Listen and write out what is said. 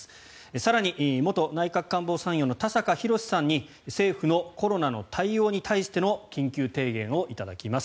更に元内閣官房参与の田坂広志さんに政府のコロナの対応に対しての緊急提言を頂きます。